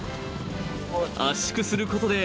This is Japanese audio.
［圧縮することで］